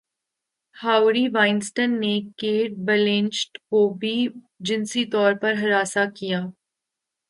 Harvey Weinstein نے Kate Blanchett کو بھی جنسی طور پر ہراساں کیا